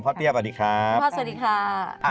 เตี้ยสวัสดีครับพ่อสวัสดีค่ะ